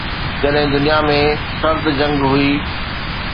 جڏهن دنيا ۾ سرد جنگ هئي.